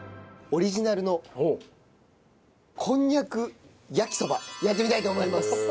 オリジナルのこんにゃく焼きそばやってみたいと思います。